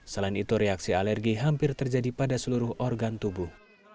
selain itu reaksi alergi hampir terjadi pada seluruh organ tubuh